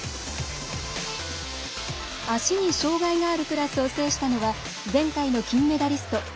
足に障がいがあるクラスを制したのは前回の金メダリスト